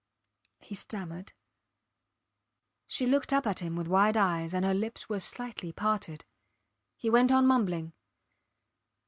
He stammered. She looked up at him with wide eyes, and her lips were slightly parted. He went on mumbling